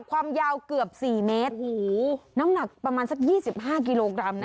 ความยาวเกือบ๔เมตรโอ้โหน้ำหนักประมาณสัก๒๕กิโลกรัมนะ